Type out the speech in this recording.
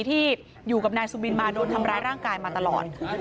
ที่อยู่กับนายสุบินมาโดนทำร้ายร่างกายมาตลอด